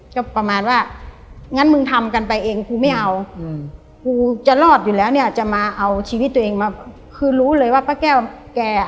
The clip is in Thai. ใช่มันไม่อยากคืนแล้วอะ